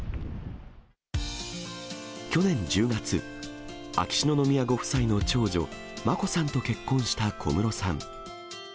去年１０月、秋篠宮ご夫妻の長女、眞子さんと結婚した小室さん。